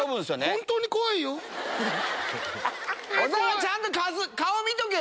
ちゃんと顔見とけよ！